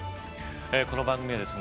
この番組はですね